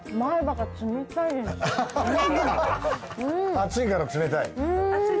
熱いから冷たい。